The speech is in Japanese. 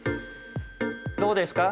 どうですか？